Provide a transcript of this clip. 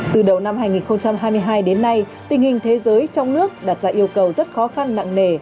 từ đầu năm hai nghìn hai mươi hai đến nay tình hình thế giới trong nước đặt ra yêu cầu rất khó khăn nặng nề